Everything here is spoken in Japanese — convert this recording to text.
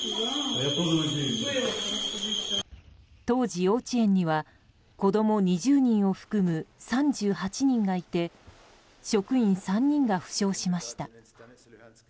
当時、幼稚園には子供２０人を含む３８人がいて職員３人が負傷しました。